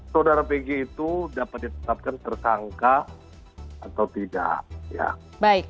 saudara pg itu dapat ditetapkan tersangka atau tidak